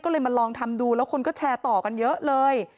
ก็เลยมาลองทำดูแล้วคนก็แชร์ต่อกันเยอะเลย